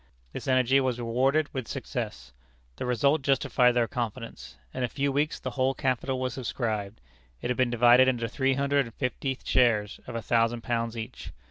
This energy was rewarded with success. The result justified their confidence. In a few weeks the whole capital was subscribed. It had been divided into three hundred and fifty shares of a thousand pounds each.